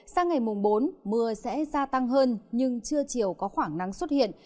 sang ngày mùng bốn mưa sẽ gia tăng hơn nhưng trưa chiều có khoảng nắng xuất hiện